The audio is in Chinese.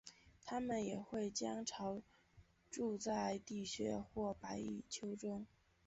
它们也会将巢筑在地穴或白蚁丘中。